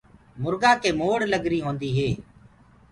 مرگآ ڪي موڙ لگري هوندي هي۔